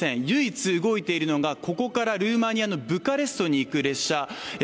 唯一動いているのが、ここからルーマニアのブカレストに行く列車。